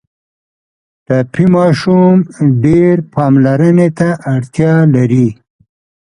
ټپي ماشوم ډېر پاملرنې ته اړتیا لري.